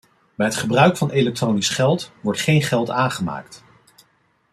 Bij het gebruik van elektronisch geld wordt geen geld aangemaakt.